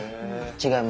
違います。